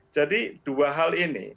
jadi dua hal ini